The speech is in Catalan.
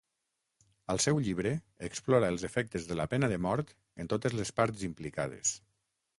Al seu llibre, explora els efectes de la pena de mort en totes les parts implicades.